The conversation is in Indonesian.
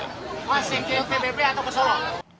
wah sekil vbp atau pesolong